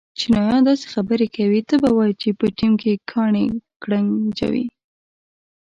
چینایان داسې خبرې کوي ته به وایې چې په ټېم کې کاڼي گړنجوې.